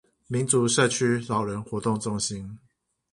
民族社區老人活動中心